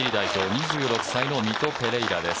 ２６歳のミト・ペレイラです。